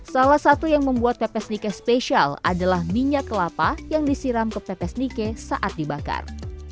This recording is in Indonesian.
salah satu yang membuat pepes nike spesial adalah minyak kelapa yang disiram ke pepes nike saat dibakar